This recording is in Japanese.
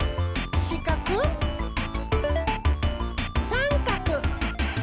さんかく！